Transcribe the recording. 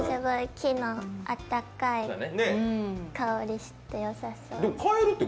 木のあったかい香りがしてよさそう。